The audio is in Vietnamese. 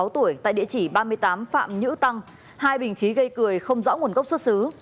ba mươi tuổi tại địa chỉ ba mươi tám phạm nhữ tăng hai bình khí gây cười không rõ nguồn gốc xuất xứ